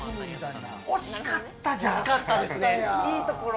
惜しかったじゃん。